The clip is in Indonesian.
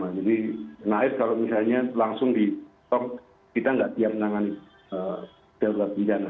jadi naik kalau misalnya langsung ditop kita tidak siap menangani jadwal bencana